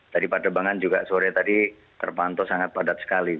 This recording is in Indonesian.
tadi padebangan juga sore tadi terpantau sangat padat sekali